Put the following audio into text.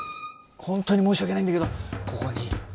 本当に申し訳ないんだけどここに監視用。